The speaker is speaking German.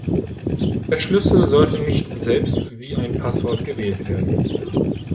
Der Schlüssel sollte nicht selbst wie ein Passwort gewählt werden.